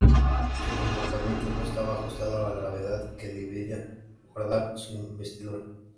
Su comportamiento no estaba ajustado a la gravedad que debiera guardar por su investidura.